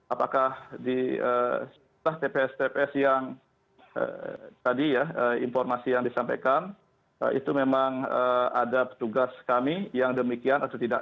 apakah di sebelah tps tps yang tadi ya informasi yang disampaikan itu memang ada petugas kami yang demikian atau tidak